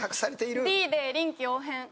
Ｄで臨機応変。